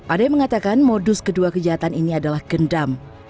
ada yang mengatakan modus kedua kejahatan ini adalah gendam